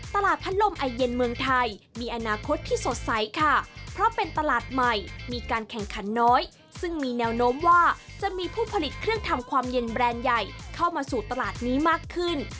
ตลาดพัดลมไอเย็นเมืองไทยมีอนาคตที่สดใสค่ะเพราะเป็นตลาดใหม่มีการแข่งขันน้อยซึ่งมีแนวโน้มว่าจะมีผู้ผลิตเครื่องทำความเย็นแบรนด์ใหญ่เข้ามาสู่ตลาดนี้มากขึ้น